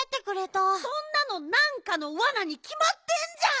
そんなのなんかのワナにきまってんじゃん！